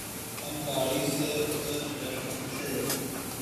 ہم گاڑی سے اتر رہ تھے